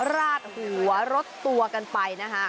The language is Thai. ราดหัวรถตัวกันไปนะคะ